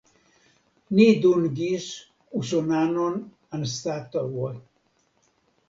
Ni dungis usonanon anstataŭe.